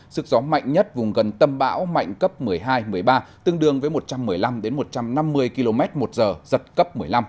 sức gió mạnh nhất vùng gần tâm bão mạnh cấp một mươi hai một mươi ba tương đương với một trăm một mươi năm một trăm năm mươi km một giờ giật cấp một mươi năm